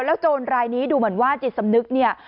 โจรรายนี้ดูเหมือนว่าจิตสำนึกเนี่ย